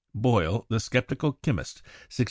(Boyle, 'The Sceptical Chymist,' 1661.)